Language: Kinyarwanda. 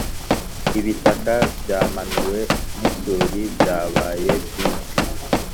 Ibitaka byamanuwe n’isuri byabaye byinshi